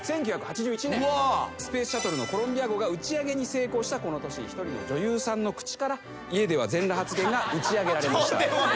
スペースシャトルのコロンビア号が打ち上げに成功したこの年１人の女優さんの口から家では全裸発言が打ち上げられました。